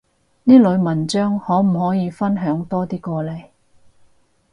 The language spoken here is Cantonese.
呢類文章可唔可以分享多啲過嚟？